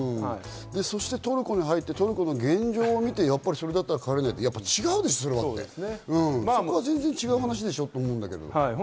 そしてトルコに入って、トルコの現状を見て、やっぱり帰れないと、それは違うと思う、全然違う話でしょと思うんだけど。